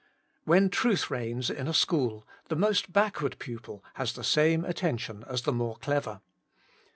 When Truth reigns in a school, the most backward pupil has the same attention as the more clever.